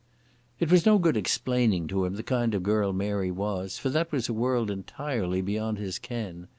It was no good explaining to him the kind of girl Mary was, for that was a world entirely beyond his ken.